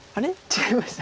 違いました？